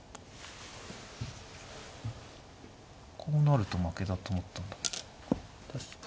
こうなると負けだと思ったんだけどな。